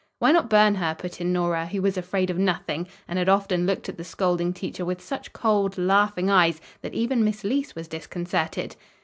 "Why not burn her," put in Nora, who was afraid of nothing and had often looked at the scolding teacher with such cold, laughing eyes, that even Miss Leece was disconcerted.